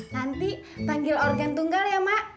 nanti tanggil organ tunggal ya ma